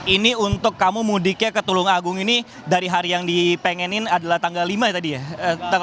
ini untuk kamu mudiknya ke tulung agung ini dari hari yang dipengenin adalah tanggal lima tadi ya